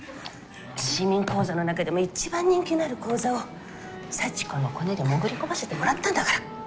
市民講座の中でも一番人気のある講座を幸子のコネで潜り込ませてもらったんだから。